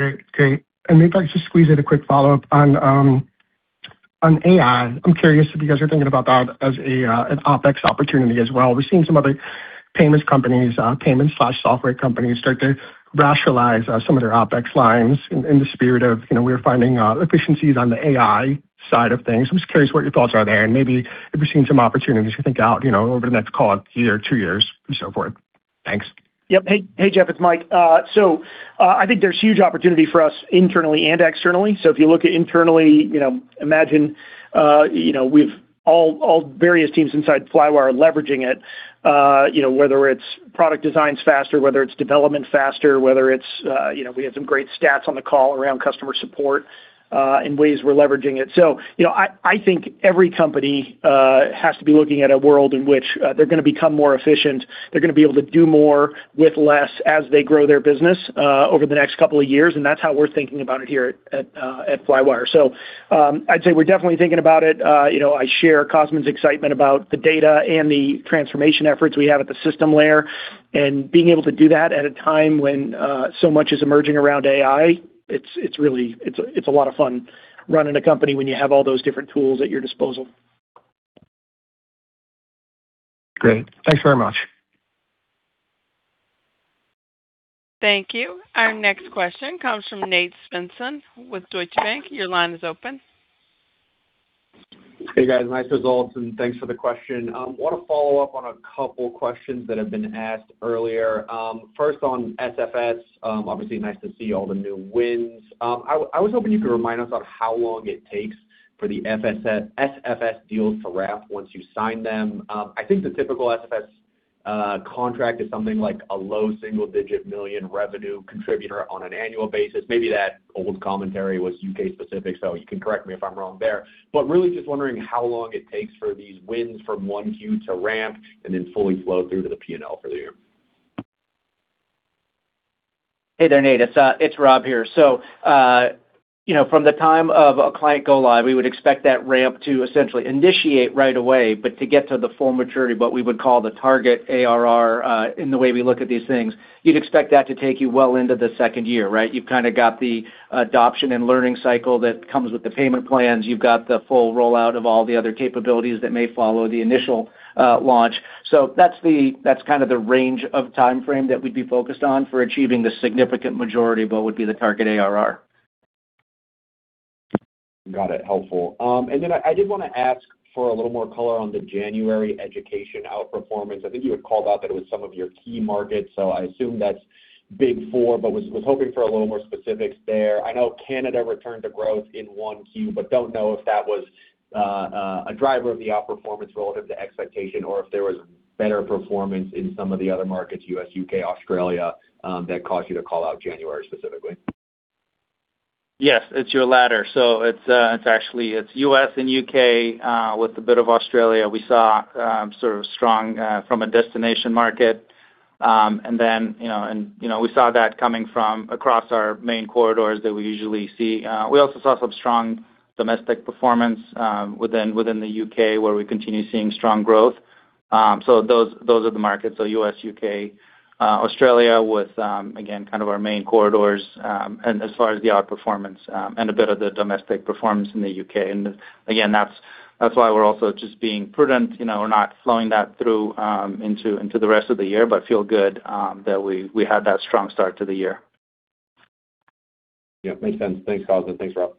Great. Great. Maybe if I could just squeeze in a quick follow-up on AI. I'm curious if you guys are thinking about that as an OpEx opportunity as well. We're seeing some other payments companies, payment/software companies start to rationalize some of their OpEx lines in the spirit of, you know, we're finding efficiencies on the AI side of things. I'm just curious what your thoughts are there, and maybe if you're seeing some opportunities you think out, you know, over the next call, year, two years, and so forth. Thanks. Yep. Hey, hey, Jeff, it's Mike. I think there's huge opportunity for us internally and externally. If you look at internally, you know, imagine, you know, all various teams inside Flywire are leveraging it, you know, whether it's product designs faster, whether it's development faster, whether it's, you know, we had some great stats on the call around customer support, and ways we're leveraging it. You know, I think every company has to be looking at a world in which they're gonna become more efficient, they're gonna be able to do more with less as they grow their business over the next couple of years, and that's how we're thinking about it here at Flywire. I'd say we're definitely thinking about it. You know, I share Cosmin's excitement about the data and the transformation efforts we have at the system layer. Being able to do that at a time when so much is emerging around AI, it's really a lot of fun running a company when you have all those different tools at your disposal. Great. Thanks very much. Thank you. Our next question comes from Nate Svensson with Deutsche Bank. Your line is open. Hey, guys. Nice results, thanks for the question. Wanna follow up on a couple questions that have been asked earlier. First on SFS, obviously nice to see all the new wins. I was hoping you could remind us on how long it takes for the SFS deals to ramp once you sign them. I think the typical SFS contract is something like a low single-digit million revenue contributor on an annual basis. Maybe that old commentary was U.K.-specific, you can correct me if I'm wrong there. Really just wondering how long it takes for these wins from 1Q to ramp and then fully flow through to the P&L for the year. Hey there, Nate. It's Rob here. You know, from the time of a client go live, we would expect that ramp to essentially initiate right away, but to get to the full maturity, what we would call the target ARR, in the way we look at these things, you'd expect that to take you well into the second year, right? You've kinda got the adoption and learning cycle that comes with the payment plans. You've got the full rollout of all the other capabilities that may follow the initial launch. That's kind of the range of timeframe that we'd be focused on for achieving the significant majority of what would be the target ARR. Got it. Helpful. I did wanna ask for a little more color on the January education outperformance. I think you had called out that it was some of your key markets, so I assume that's Big Four, but was hoping for a little more specifics there. I know Canada returned to growth in 1Q, but don't know if that was a driver of the outperformance relative to expectation or if there was better performance in some of the other markets, U.S., U.K., Australia, that caused you to call out January specifically. Yes, it's your latter. It's actually, it's U.S. and U.K. with a bit of Australia we saw, sort of strong from a destination market. You know, we saw that coming from across our main corridors that we usually see. We also saw some strong domestic performance within the U.K., where we continue seeing strong growth. Those are the markets. U.S., U.K., Australia with again, kind of our main corridors and as far as the outperformance and a bit of the domestic performance in the U.K. Again, that's why we're also just being prudent. You know, we're not flowing that through into the rest of the year, but feel good that we had that strong start to the year. Yep, makes sense. Thanks, Cosmin. Thanks, Rob.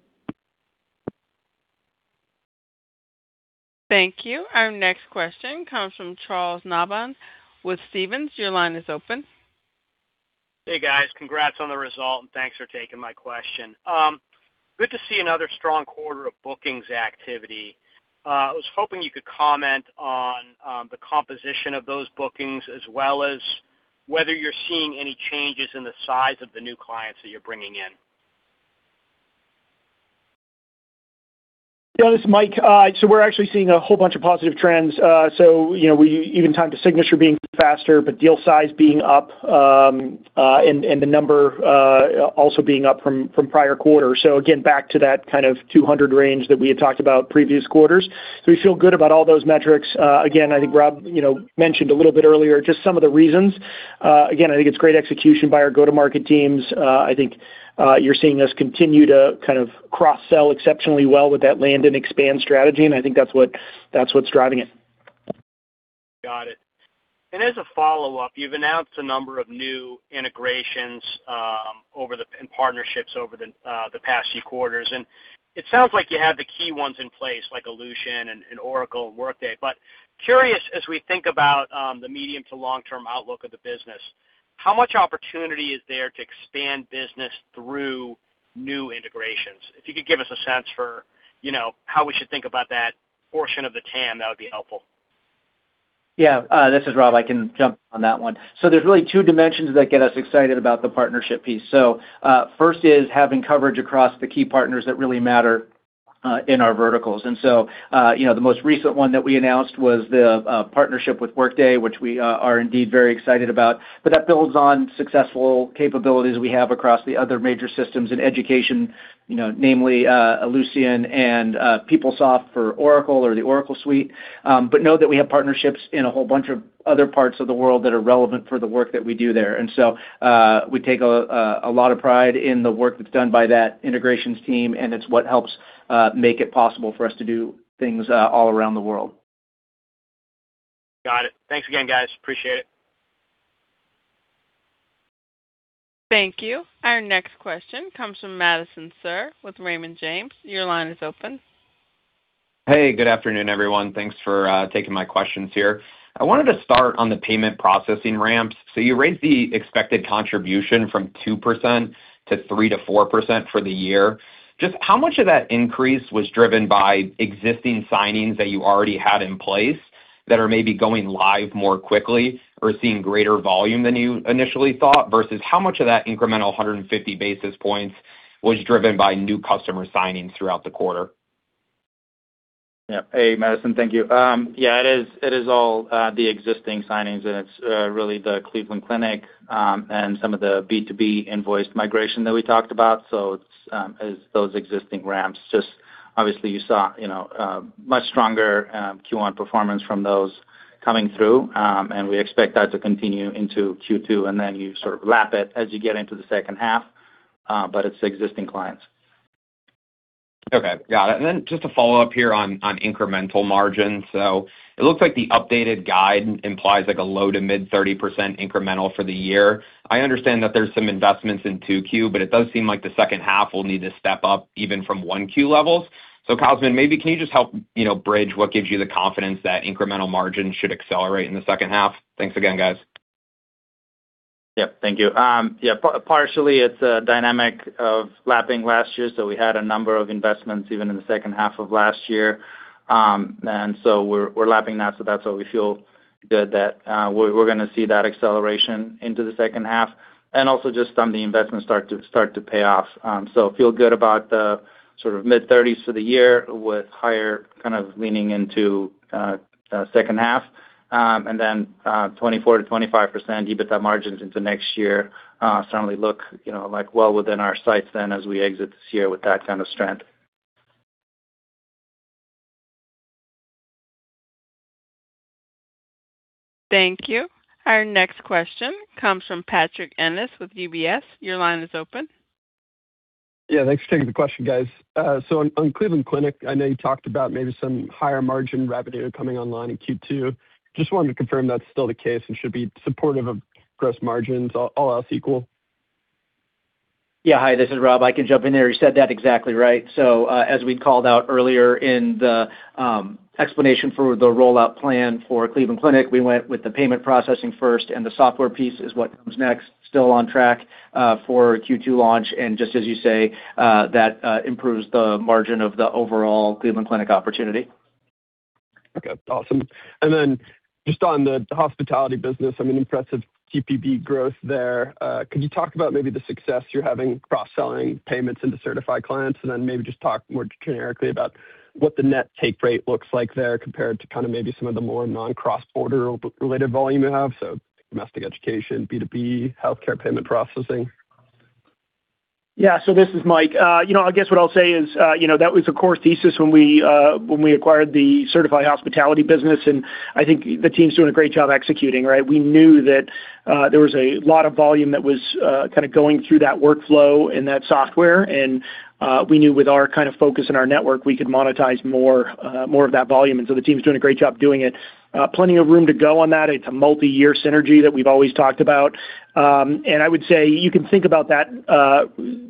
Thank you. Our next question comes from Charles Nabhan with Stephens. Your line is open. Hey, guys. Congrats on the result, and thanks for taking my question. Good to see another strong quarter of bookings activity. I was hoping you could comment on the composition of those bookings as well as whether you're seeing any changes in the size of the new clients that you're bringing in. Yeah, this is Mike. We're actually seeing a whole bunch of positive trends. You know, we even timed the signature being faster, but deal size being up, and the number also being up from prior quarters. Again, back to that kind of 200 range that we had talked about previous quarters. We feel good about all those metrics. Again, I think Rob, you know, mentioned a little bit earlier just some of the reasons. Again, I think it's great execution by our go-to-market teams. I think you're seeing us continue to kind of cross-sell exceptionally well with that land and expand strategy, and I think that's what's driving it. Got it. As a follow-up, you've announced a number of new integrations and partnerships over the past few quarters. It sounds like you have the key ones in place, like Ellucian and Oracle and Workday. Curious, as we think about the medium to long-term outlook of the business, how much opportunity is there to expand business through new integrations? If you could give us a sense for, you know, how we should think about that portion of the TAM, that would be helpful. Yeah, this is Rob. I can jump on that one. There's really two dimensions that get us excited about the partnership piece. First is having coverage across the key partners that really matter, in our verticals. You know, the most recent one that we announced was the partnership with Workday, which we are indeed very excited about. That builds on successful capabilities we have across the other major systems in education, you know, namely, Ellucian and PeopleSoft for Oracle or the Oracle Suite. Know that we have partnerships in a whole bunch of other parts of the world that are relevant for the work that we do there. We take a lot of pride in the work that's done by that integrations team, and it's what helps make it possible for us to do things all around the world. Got it. Thanks again, guys. Appreciate it. Thank you. Our next question comes from Madison Suhr with Raymond James. Your line is open. Hey, good afternoon, everyone. Thanks for taking my questions here. I wanted to start on the payment processing ramps. You raised the expected contribution from 2% to 3%-4% for the year. Just how much of that increase was driven by existing signings that you already had in place that are maybe going live more quickly or seeing greater volume than you initially thought, versus how much of that incremental 150 basis points was driven by new customer signings throughout the quarter? Hey, Madison. Thank you. It is, it is all the existing signings, and it's really the Cleveland Clinic and some of the B2B invoice migration that we talked about. It's those existing ramps. Just obviously you saw, you know, much stronger Q1 performance from those coming through. We expect that to continue into Q2, and then you sort of lap it as you get into the second half. It's existing clients. Okay. Got it. Just a follow-up here on incremental margin. It looks like the updated guide implies like a low to mid 30% incremental for the year. I understand that there's some investments in 2Q, but it does seem like the second half will need to step up even from 1Q levels. Cosmin, maybe can you just help, you know, bridge what gives you the confidence that incremental margin should accelerate in the second half? Thanks again, guys. Yep. Thank you. Yeah, partially it's a dynamic of lapping last year, so we had a number of investments even in the second half of last year. We're, we're lapping that, so that's why we feel good that we're gonna see that acceleration into the second half, and also just some of the investments start to pay off. Feel good about the sort of mid thirties for the year with higher kind of leaning into second half. 24%-25% EBITDA margins into next year, certainly look, you know, like well within our sights then as we exit this year with that kind of strength. Thank you. Our next question comes from Patrick Ennis with UBS. Your line is open. Yeah. Thanks for taking the question, guys. On Cleveland Clinic, I know you talked about maybe some higher margin revenue coming online in Q2. Just wanted to confirm that's still the case and should be supportive of gross margins, all else equal. Yeah. Hi, this is Rob. I can jump in there. You said that exactly right. As we'd called out earlier in the explanation for the rollout plan for Cleveland Clinic, we went with the payment processing first and the software piece is what comes next. Still on track for Q2 launch and just as you say, that improves the margin of the overall Cleveland Clinic opportunity. Okay, awesome. Then just on the hospitality business, I mean, impressive TPV growth there. Could you talk about maybe the success you're having cross-selling payments into Sertifi clients and then maybe just talk more generically about what the net take rate looks like there compared to kinda maybe some of the more non-cross-border related volume you have, so domestic education, B2B, healthcare payment processing? Yeah. This is Mike. You know, I guess what I'll say is, you know, that was a core thesis when we acquired the Sertifi hospitality business, I think the team's doing a great job executing, right? We knew that there was a lot of volume that was kind of going through that workflow and that software. We knew with our kind of focus in our network, we could monetize more, more of that volume. The team's doing a great job doing it. Plenty of room to go on that. It's a multi-year synergy that we've always talked about. I would say you can think about that,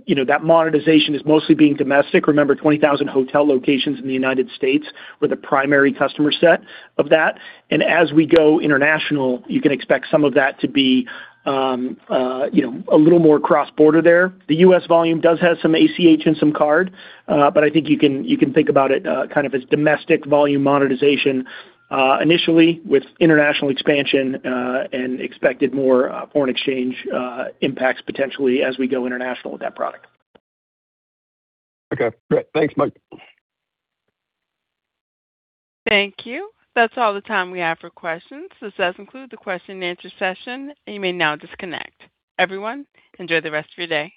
you know, that monetization is mostly being domestic. Remember, 20,000 hotel locations in the United States were the primary customer set of that. As we go international, you can expect some of that to be, you know, a little more cross-border there. The U.S. volume does have some ACH and some card, but I think you can, you can think about it, kind of as domestic volume monetization, initially with international expansion, and expected more foreign exchange impacts potentially as we go international with that product. Okay. Great. Thanks, Mike. Thank you. That's all the time we have for questions. This does conclude the question and answer session. You may now disconnect. Everyone, enjoy the rest of your day.